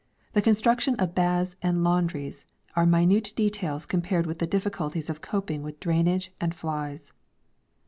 The construction of baths and laundries are minute details compared with the difficulties of coping with drainage and flies.